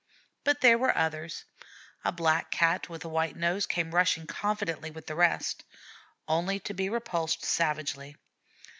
But there were others. A black Cat with a white nose came rushing confidently with the rest, only to be repulsed savagely.